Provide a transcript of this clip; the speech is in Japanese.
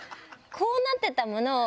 こうなってたものを。